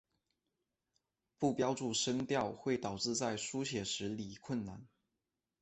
不标注声调会导致在书写时理困难。